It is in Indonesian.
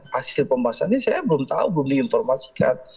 hasil pembahasannya saya belum tahu belum diinformasikan